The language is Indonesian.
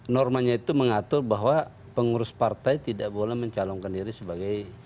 normanya itu mengatur bahwa pengurus partai tidak boleh mencalonkan diri sebagai